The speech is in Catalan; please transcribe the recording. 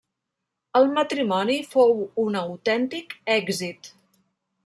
El matrimoni fou un autèntic èxit.